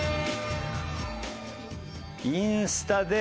インスタで＃